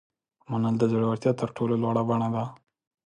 منل د زړورتیا تر ټولو لوړه بڼه ده.